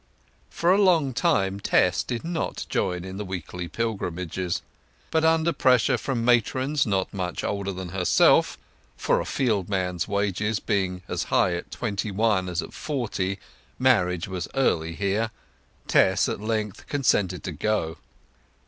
For a long time Tess did not join in the weekly pilgrimages. But under pressure from matrons not much older than herself—for a field man's wages being as high at twenty one as at forty, marriage was early here—Tess at length consented to go.